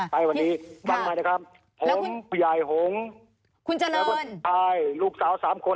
ไปวันนี้บังไงนะครับแล้วคุณพี่ยายหงคุณเจริญแล้วพี่ชายลูกสาวสามคน